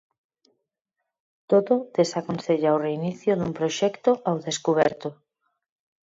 "Todo" desaconsella o reinicio dun proxecto ao descuberto.